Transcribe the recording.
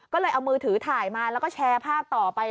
ก็เลยเอามือถือถ่ายมาแล้วก็แชร์ภาพต่อไป